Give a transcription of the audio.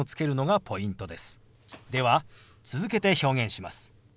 では続けて表現します。